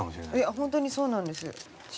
ホントにそうなんです